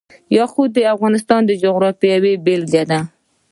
یاقوت د افغانستان د جغرافیې بېلګه ده.